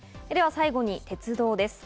最後に鉄道です。